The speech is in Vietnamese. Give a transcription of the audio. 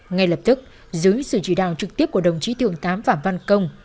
ngay lập tức dưới sự chỉ đạo trực tiếp của đồng chí thường tám phạm văn công